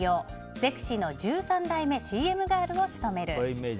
「ゼクシィ」の１３代目ＣＭガールを務める。